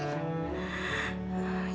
aku jadi gak kuat